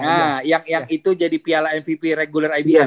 nah yang itu jadi piala mvp regular ibl